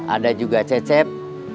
ada juga cecep